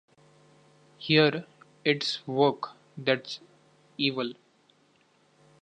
Here, it's "work" that's evil.